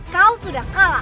kau sudah kalah